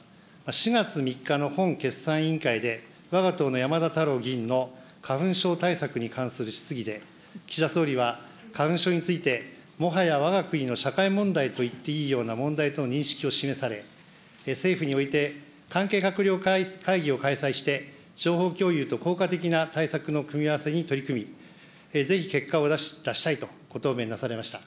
４月３日の本決算委員会で、わが党の山田太郎議員の花粉症対策に関する質疑で、岸田総理は、花粉症について、もはやわが国の社会問題といっていいような問題と認識を示され、政府において関係閣僚会議を開催して、情報共有と効果的な対策の組み合わせに取り組み、ぜひ、結果を出したいと、ご答弁なされました。